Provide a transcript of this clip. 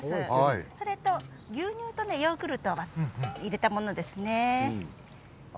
牛乳とヨーグルトを入れたものですね。